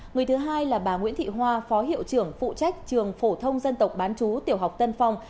người thứ hai là bà nguyễn thị hoa phó hiệu trưởng phụ trách trường phổ thông dân tộc bán chú tiểu học tân phong